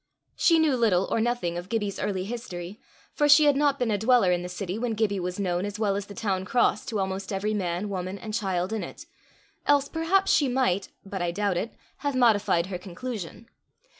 She knew little or nothing of Gibbie's early history, for she had not been a dweller in the city when Gibbie was known as well as the town cross to almost every man, woman, and child in it, else perhaps she might, but I doubt it, have modified her conclusion.